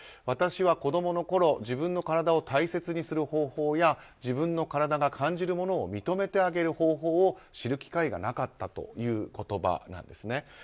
私は子供のころ自分の体を大切にする方法や自分の体が感じるものを認めてあげる方法を知る機会がなかったという言葉です。